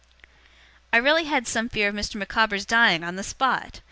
I really had some fear of Mr. Micawber's dying on the spot.